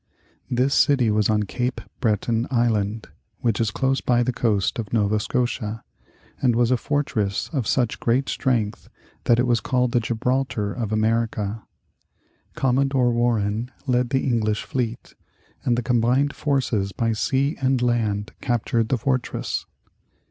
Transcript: This city was on Cape Breton Island, which is close by the coast of Nova Scotia and was a fortress of such great strength, that it was called the Gibraltar of America. Commodore Warren led the English fleet, and the combined forces by sea and land captured the fortress.